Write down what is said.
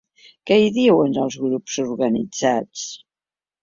Què hi diuen els grups organitzats?